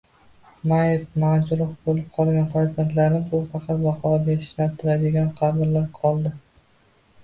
Mayib-majruh boʻlib qolgan farzandlarimiz-u faqat bahorda yashnab turadigan qabrlar qoldi...